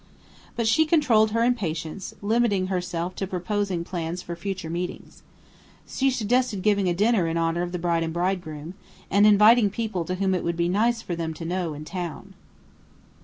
But she controlled her impatience, limiting herself to proposing plans for future meetings. She suggested giving a dinner in honour of the bride and bridegroom, and inviting people whom it would be "nice for them to know" in town.